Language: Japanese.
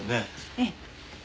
ええ。